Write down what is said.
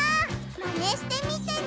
まねしてみてね！